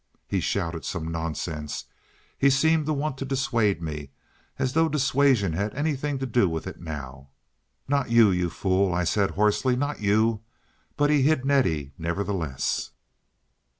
He shouted some nonsense. He seemed to want to dissuade me, as though dissuasion had anything to do with it now. "Not you, you fool!" I said hoarsely. "Not you!" But he hid Nettie nevertheless.